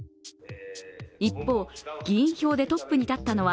一方、議員票でトップに立ったのは